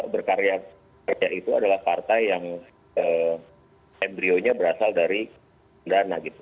berkarya itu adalah partai yang embryonya berasal dari dana gitu